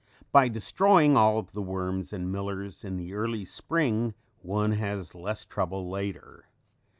By destroying all of the worms and millers in the early spring one has less trouble later.